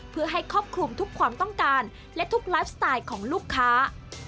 เพื่อให้ครอบคลุมทุกความต้องการและทุกไลฟ์สไตล์ของลูกค้า